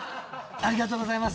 ありがとうございます。